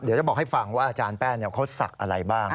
เดี๋ยวจะบอกให้ฟังว่าอาจารย์แป้งเขาศักดิ์อะไรบ้าง